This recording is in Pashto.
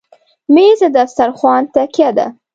مېز د دسترخوان تکیه ده.